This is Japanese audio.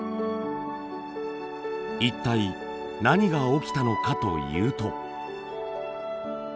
一体何が起きたのかというと。